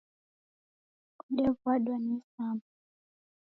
Odewadwa ni isama